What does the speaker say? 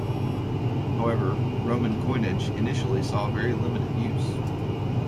However, Roman coinage initially saw very limited use.